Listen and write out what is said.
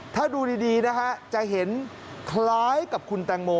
ถ้าดูดีนะฮะจะเห็นคล้ายกับคุณแตงโม